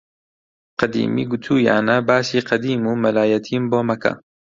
قەدیمی گوتوویانە باسی قەدیم و مەلایەتیم بۆ مەکە!